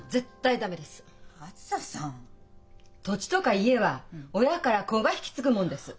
土地とか家は親から子が引き継ぐもんです。